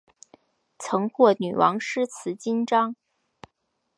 曾获女王诗词金章。